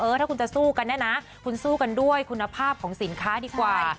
ถ้าคุณจะสู้กันเนี่ยนะคุณสู้กันด้วยคุณภาพของสินค้าดีกว่า